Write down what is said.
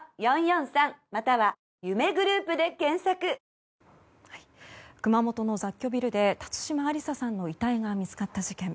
わかるぞ熊本の雑居ビルで辰島ありささんの遺体が見つかった事件。